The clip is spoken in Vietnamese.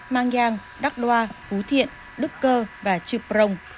mang giang đắc đoa phú thiện đức cơ và trực rồng